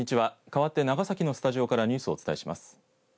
かわって長崎のスタジオからニュースをお伝えします。